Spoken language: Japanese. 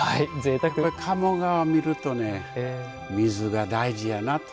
鴨川を見ると水が大事やなと。